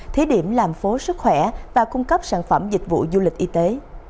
thí điểm làm phố sức khỏe và cung cấp sản phẩm dịch vụ du lịch y tế